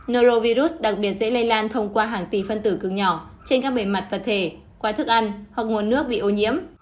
norovirus đặc biệt dễ lây lan thông qua hàng tỷ phân tử cực nhỏ trên các bề mặt vật thể qua thức ăn hoặc nguồn nước bị ô nhiễm